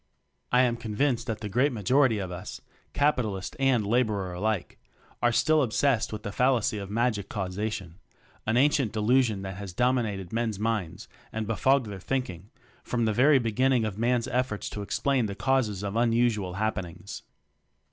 I am convinced that the great ma jority of us capitalist and laborer alike are still obsessed with the fal lacy of magic causation; an ancient delusion that has dominated men's minds and befogged their thinking from the very beginning of man's efforts to explain the causes of un usual happenings.